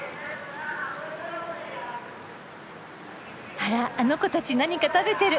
あらあの子たち何か食べてる。